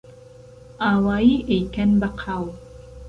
ئاوایی ئەیکەن بە قاو